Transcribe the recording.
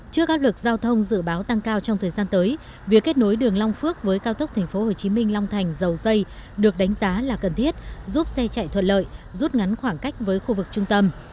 trước áp lực giao thông dự báo tăng cao trong thời gian tới việc kết nối đường long phước với cao tốc tp hcm long thành dầu dây được đánh giá là cần thiết giúp xe chạy thuận lợi rút ngắn khoảng cách với khu vực trung tâm